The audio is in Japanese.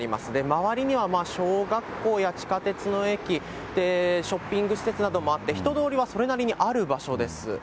周りには小学校や地下鉄の駅、ショッピング施設などもあって、人通りはそれなりにある場所です。